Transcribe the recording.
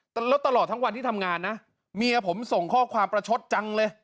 แล้วตลอดทั้งวันที่ทำงานนะเมียผมส่งข้อความประชดจังเลย